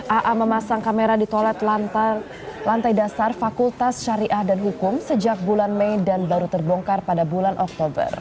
aa memasang kamera di toilet lantai dasar fakultas syariah dan hukum sejak bulan mei dan baru terbongkar pada bulan oktober